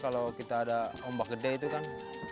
kalau kita ada ombak gede itu kan